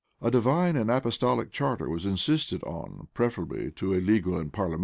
A divine and apostolical charter was insisted on, preferably to a legal and parliamentary one.